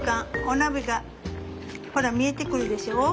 お鍋がほら見えてくるでしょう？